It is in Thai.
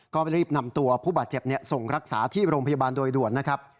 ก็รีบนำตัวผู้บาดเจ็บส่งรักษาที่โรงพยาบาลโดยด่วนนะครับ